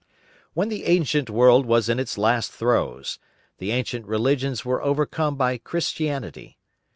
When the ancient world was in its last throes, the ancient religions were overcome by Christianity.